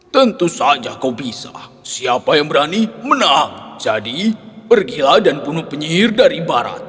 tentu saja kau bisa siapa yang berani menang jadi pergilah dan bunuh penyihir dari barat